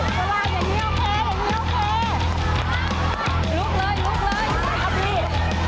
ลุกเลยครับพี่